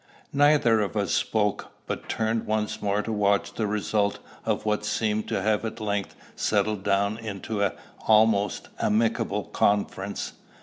Neither of us spoke, but turned once more to watch the result of what seemed to have at length settled down into an almost amicable conference.